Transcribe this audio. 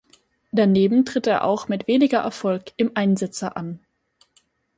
Daneben tritt er auch mit weniger Erfolg im Einsitzer an.